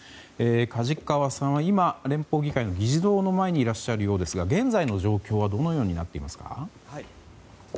梶川さんは今、連邦議会の議事堂の前にいらっしゃるようですが現在の状況はどのようになっていますか？